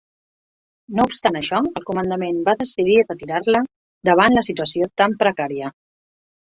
No obstant això el comandament va decidir retirar-la, davant la situació tan precària.